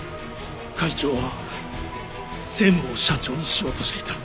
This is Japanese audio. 会長は専務を社長にしようとしていた。